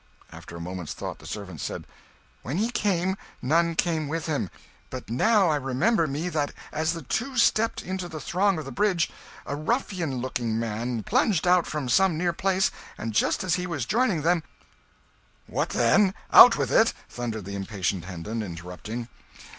After a moment's thought, the servant said "When he came, none came with him; but now I remember me that as the two stepped into the throng of the Bridge, a ruffian looking man plunged out from some near place; and just as he was joining them " "What then? out with it!" thundered the impatient Hendon, interrupting.